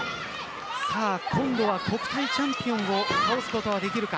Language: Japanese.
今度は国体チャンピオンを倒すことはできるか。